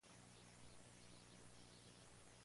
Se desconoce su procedencia real.